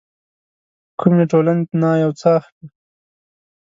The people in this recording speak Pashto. کومې ټولنې نه يو څه اخلي.